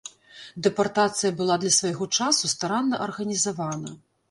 Дэпартацыя была для свайго часу старанна арганізавана.